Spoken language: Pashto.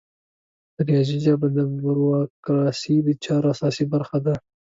د ریاضي ژبه د بروکراسي د چارو اساسي برخه ده.